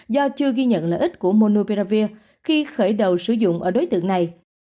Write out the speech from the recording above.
do chưa ghi nhận lợi ích của monopeavir khi khởi đầu sử dụng ở đối tượng này